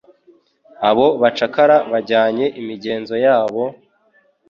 Abo bacakara bajyanye imigenzo yabo,